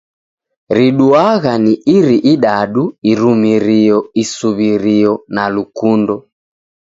Riduagha ni iri idadu, Irumirio, isuw'irio, na lukundo